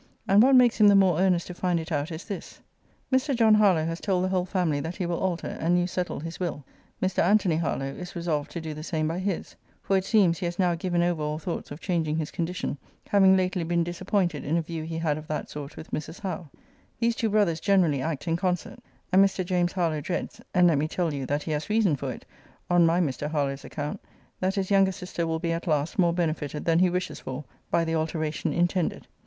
And what makes him the more earnest to find it out is this: Mr. John Harlowe has told the whole family that he will alter, and new settle his will. Mr. Antony Harlowe is resolved to do the same by his; for, it seems, he has now given over all thoughts of changing his condition, having lately been disappointed in a view he had of that sort with Mrs. Howe. These two brothers generally act in concert; and Mr. James Harlowe dreads (and let me tell you, that he has reason for it, on my Mr. Harlowe's account) that his younger sister will be, at last, more benefited than he wishes for, by the alteration intended.